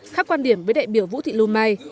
khác quan điểm với đại biểu vũ thị lưu mai